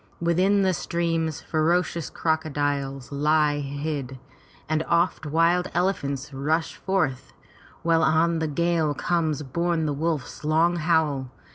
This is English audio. Within the streams ferocious crocodiles lie hid, and oft wild elephants rush forth, while on the gale comes borne the wolf's long howl.